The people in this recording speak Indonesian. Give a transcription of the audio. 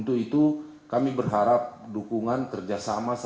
dll omsiyakrop peaceada dengan tiga been residence